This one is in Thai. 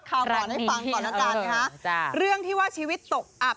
ก่อนให้ฟังก่อนแล้วกันนะคะเรื่องที่ว่าชีวิตตกอับ